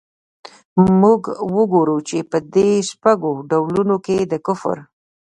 موږ ګورو چي په دې شپږو ډولونو کي د کفر.